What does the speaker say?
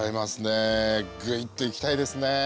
グイッといきたいですね！